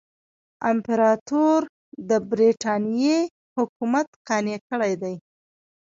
امپراطور د برټانیې حکومت قانع کړی دی.